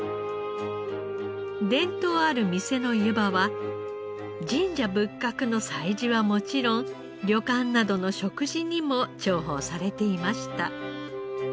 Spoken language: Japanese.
伝統ある店のゆばは神社仏閣の催事はもちろん旅館などの食事にも重宝されていました。